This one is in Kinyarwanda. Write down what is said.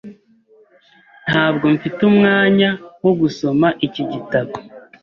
Ntabwo mfite umwanya wo gusoma iki gitabo.